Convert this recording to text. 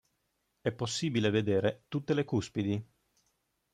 È possibile vedere tutte le cuspidi.